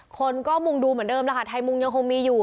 คนก็มุงดูเหมือนเดิมแล้วค่ะไทยมุงยังคงมีอยู่